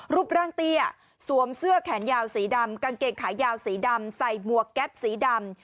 รูปร่างเตี้ยสวมเสื้อแขนยาวสีดำกางเกงขายาวสีดำใส่หมวกแก๊ปสีดำ